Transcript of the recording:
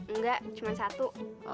enggak cuman satu